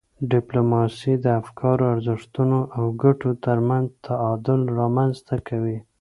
ډیپلوماسي د افکارو، ارزښتونو او ګټو ترمنځ تعادل رامنځته کوي.